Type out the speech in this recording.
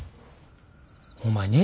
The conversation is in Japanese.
お前ねじ